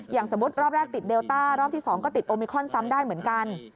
อย่างสมมุติรอบแรกติดเลต้ารอบที่๒ก็ติดโอมิครอนซ้ำได้เหมือนกัน